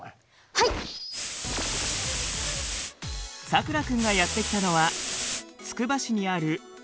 さくら君がやって来たのはつくば市にある建築研究所。